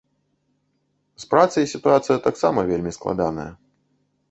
З працай сітуацыя таксама вельмі складаная.